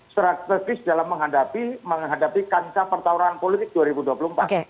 strategis dalam menghadapi kancah pertawaran politik dua ribu dua puluh empat